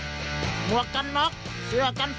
มีมีน้องเคยดูมีหรือเปล่า